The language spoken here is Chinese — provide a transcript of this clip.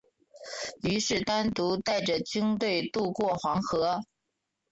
于是单独带着军队渡过黄河。